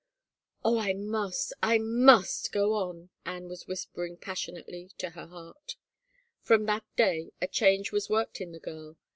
..." Oh, I must, I must go on," Anne was whispering passionately to her heart 229 THE FAVOR OF KINGS From that day a change was worked in the girl.